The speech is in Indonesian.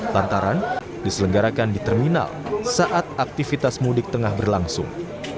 lantaran diselenggarakan di terminal saat aktivitas mudik tengah berlangsung